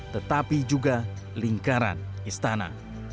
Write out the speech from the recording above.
tetapi juga lingkaran istana